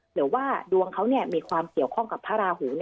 หรือว่าดวงเขามีความเกี่ยวข้องกับพระราหู